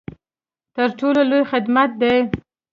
تر ټولو لوی خدمت دی.